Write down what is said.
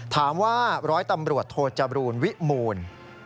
ถามว่าร้อยตำรวจโทจบรูลวิมูล